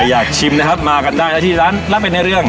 อยากชิมนะครับมากันได้แล้วที่ร้านรับเป็นในเรื่อง